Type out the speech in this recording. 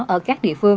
ở các địa phương